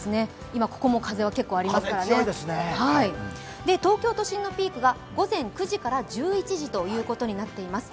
今、ここも風は結構ありますからね東京都心のピークは午前９時から１１時ということになっています。